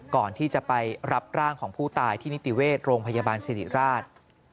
ก่อนที่จะไปรับร่างของผู้ตายที่นิติเวชโรงพยาบาลสิริราช